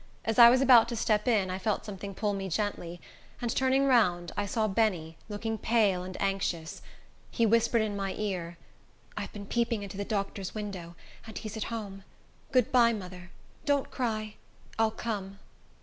As I was about to step in, I felt something pull me gently, and turning round I saw Benny, looking pale and anxious. He whispered in my ear, "I've been peeping into the doctor's window, and he's at home. Good by, mother. Don't cry; I'll come."